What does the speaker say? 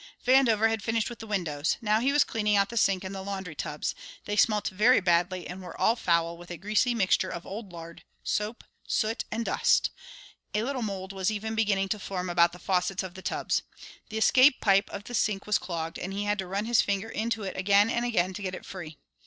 Vandover had finished with the windows. Now he was cleaning out the sink and the laundry tubs. They smelt very badly and were all foul with a greasy mixture of old lard, soap, soot, and dust; a little mould was even beginning to form about the faucets of the tubs. The escape pipe of the sink was clogged, and he had to run his finger into it again and again to get it free.